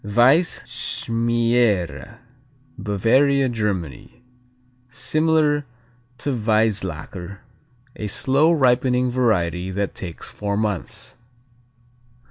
Weisschmiere Bavaria, Germany Similar to Weisslacker, a slow ripening variety that takes four months.